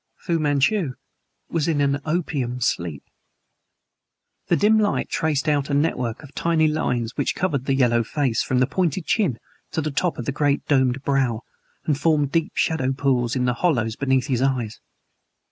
Fu Manchu was in an opium sleep! The dim light traced out a network of tiny lines, which covered the yellow face from the pointed chin to the top of the great domed brow, and formed deep shadow pools in the hollows beneath his eyes.